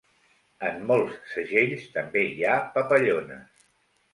En molts segells també hi ha papallones.